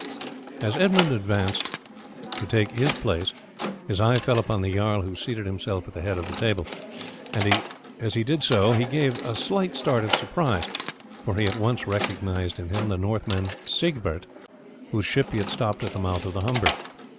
As Edmund advanced to take his place, his eye fell upon the jarl who seated himself at the head of the table, and as he did so he gave a slight start of surprise, for he at once recognized in him the Northman Siegbert, whose ship he had stopped at the mouth of the Humber.